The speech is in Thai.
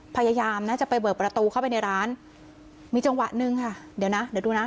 พยายามนะจะไปเบิกประตูเข้าไปในร้านมีจังหวะหนึ่งค่ะเดี๋ยวนะเดี๋ยวดูนะ